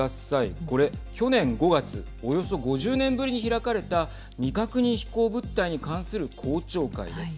これ、去年５月およそ５０年ぶりに開かれた未確認飛行物体に関する公聴会です。